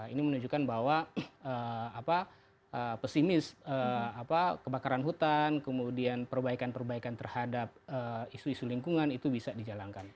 ini menunjukkan bahwa pesimis kebakaran hutan kemudian perbaikan perbaikan terhadap isu isu lingkungan itu bisa dijalankan